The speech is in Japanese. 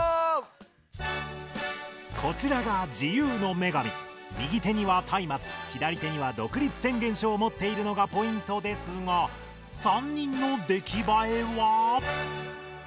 こちらが右手にはたいまつ左手には独立宣言書をもっているのがポイントですが３人のできばえは？